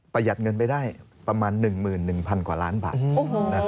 ประหยัดเงินไปได้ประมาณ๑๑๐๐กว่าล้านบาท